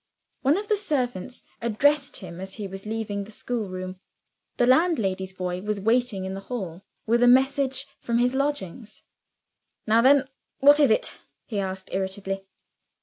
One of the servants addressed him as he was leaving the schoolroom. The landlady's boy was waiting in the hall, with a message from his lodgings. "Now then! what is it?" he asked, irritably.